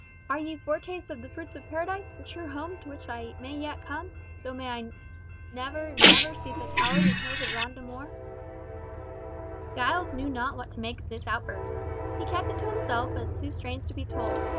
Are ye foretastes of the fruits of Paradise, the true home to which I may yet come, though I may never, never see the towers and hills of Ronda more?" Giles knew not what to make of this outburst. He kept it to himself as too strange to be told.